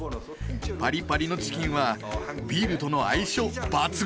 パリパリのチキンはビールとの相性抜群ですよ！